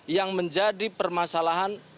yang menjadi permasalahan